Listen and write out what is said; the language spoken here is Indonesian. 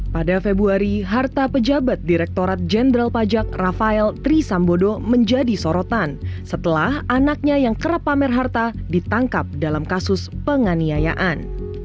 pada februari harta pejabat direktorat jenderal pajak rafael trisambodo menjadi sorotan setelah anaknya yang kerap pamer harta ditangkap dalam kasus penganiayaan